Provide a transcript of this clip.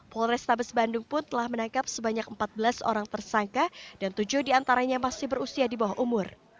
polrestabes bandung pun telah menangkap sebanyak empat belas orang tersangka dan tujuh diantaranya masih berusia di bawah umur